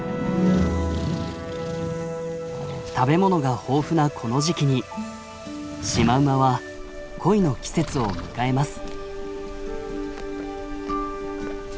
食べ物が豊富なこの時期にシマウマは恋の季節を迎えます。